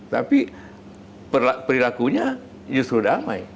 tapi perilakunya justru damai